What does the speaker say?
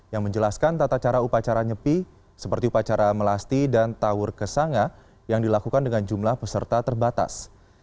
yang menjelaskan tata cara upacara nyepi seperti upacara melasti dan tawur kesanga yang dilakukan dengan jumlah peserta terbatas